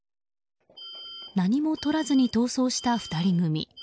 何もとらずに逃走した２人組。